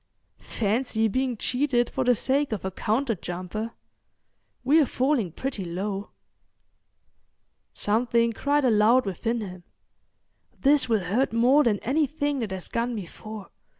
Fancy being cheated for the sake of a counter jumper! We're falling pretty low." Something cried aloud within him:—This will hurt more than anything that has gone before.